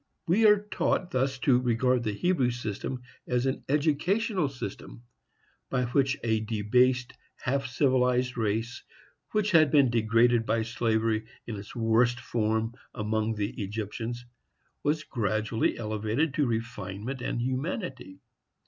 We are taught thus to regard the Hebrew system as an educational system, by which a debased, half civilized race, which had been degraded by slavery in its worst form among the Egyptians, was gradually elevated to refinement and humanity.